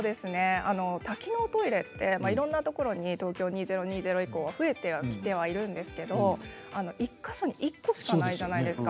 多機能トイレっていろんなところに東京２０２０以降は増えてきてはいるんですけど１か所に１個しかないじゃないですか。